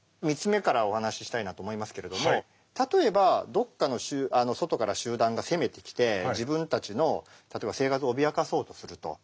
３つ目からお話ししたいなと思いますけれども例えばどっかの外から集団が攻めてきて自分たちの例えば生活を脅かそうとすると。